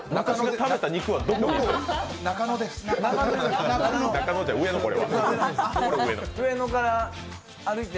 食べた肉はどこに？って。